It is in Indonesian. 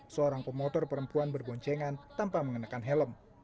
seorang pemotor perempuan berboncengan tanpa mengenakan helm